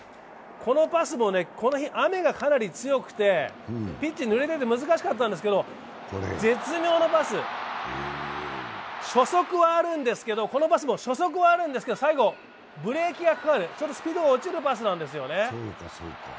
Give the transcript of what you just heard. この日、雨がかなり強くて、ピッチぬれてて難しかったんですけど絶妙なパス、初速はあるんですけど最後、ブレーキがかかるちょっとスピードが落ちるパスなんですよね。